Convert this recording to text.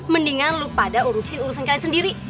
mendingan lu pada urusin urusan kalian sendiri